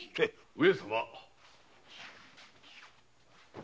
・上様。